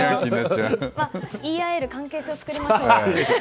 言い合える関係性を作りたいです。